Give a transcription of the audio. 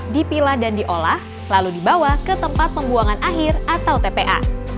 dipilah dan diolah lalu dibawa ke tempat pembuangan akhir atau tpa